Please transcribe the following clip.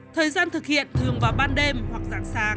thời gian thực hiện thường vào ban đêm hoặc dạng sáng